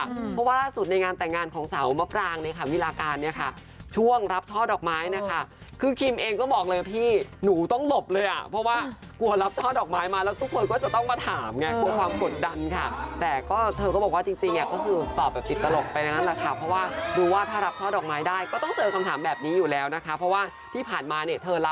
เพราะว่าร่าสุดในงานแต่งงานของสาวมปรางในวิราการช่วงรับช่อดอกไม้คือคิมเองก็บอกเลยพี่หนูต้องหลบเลยเพราะว่ากลัวรับช่อดอกไม้มาแล้วทุกคนก็จะต้องมาถามเพราะความกดดันแต่เธอก็บอกว่าจริงก็คือตอบแบบติดตลกไปเพราะว่ารู้ว่าถ้ารับช่อดอกไม้ได้ก็ต้องเจอกำถามแบบนี้อยู่แล้วเพราะว่าที่ผ่านมาเธอรั